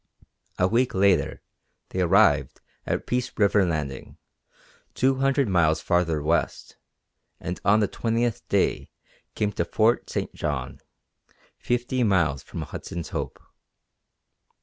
A week later they arrived at Peace River landing, two hundred miles farther west, and on the twentieth day came to Fort St. John, fifty miles from Hudson's Hope.